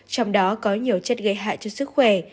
trong đó có nhiều chất gây hại cho sức khỏe